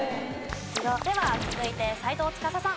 では続いて斎藤司さん。